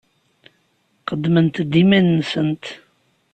Qeddment-d iman-nsent.